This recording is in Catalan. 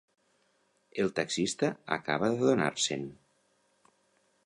El taxista acaba d'adonar-se'n.